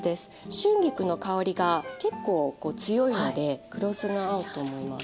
春菊の香りが結構強いので黒酢が合うと思います。